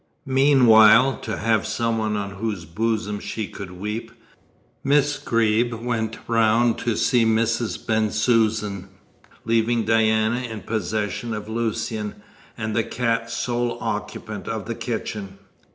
Meanwhile, to have some one on whose bosom she could weep, Miss Greeb went round to see Mrs. Bensusan, leaving Diana in possession of Lucian, and the cat sole occupant of the kitchen.